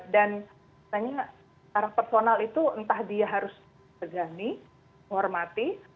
dan misalnya cara personal itu entah dia harus pegangi menghormati